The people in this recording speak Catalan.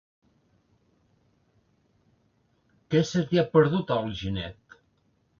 Què se t'hi ha perdut, a Alginet?